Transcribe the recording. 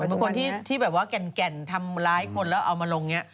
มีคนที่แอบว่าแก่นทำร้ายคนแล้วเอามาลงนี้